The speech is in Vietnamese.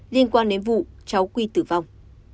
liên quan đến vụ cháu quy tử vong